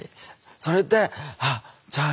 それで「あっじゃあいいや。